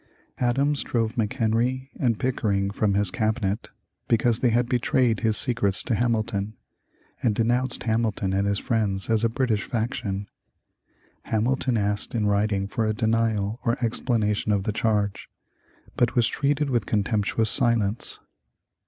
Adams drove McHenry and Pickering from his cabinet because they had betrayed his secrets to Hamilton, and denounced Hamilton and his friends as a British faction. Hamilton asked in writing for a denial or explanation of the charge, but was treated with contemptuous silence.